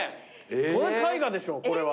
これ絵画でしょこれは。